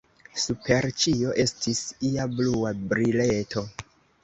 Super ĉio estis ia blua brileto.